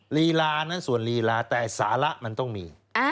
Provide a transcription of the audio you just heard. ลีลานั้นส่วนลีลาแต่สาระมันต้องมี